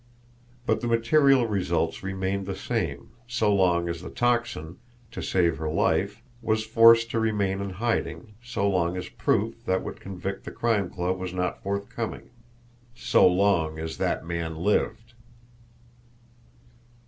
But the material results remained the same, so long as the Tocsin, to save her life, was forced to remain in hiding, so long as proof that would convict the Crime Club was not forthcoming SO LONG AS THAT MAN LIVED!